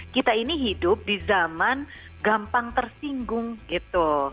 kita ini hidup di zaman gampang tersinggung gitu